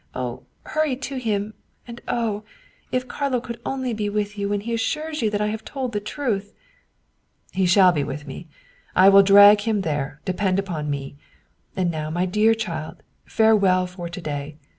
Oh, hurry to him and oh! if Carlo could only be with you when he assures you that I have told the truth!" " He shall be with me. I will drag him there, depend upon me. And now, my dear child, farewell for to day.